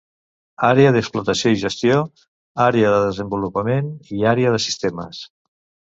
Àrea d'Explotació i Gestió, Àrea de Desenvolupament i Àrea de Sistemes.